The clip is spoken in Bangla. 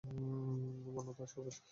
বর্ণ তার সবুজ।